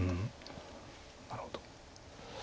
なるほど。